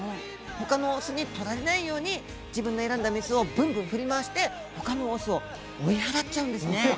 他のオスにとられないように自分の選んだメスをぶんぶん振り回して他のオスを追い払っちゃうんですね。